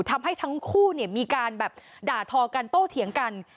ทำให้ทั้งคู่มีการแบบด่าทอกันโต้เถียงกัน